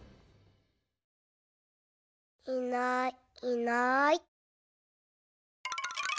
いないいない。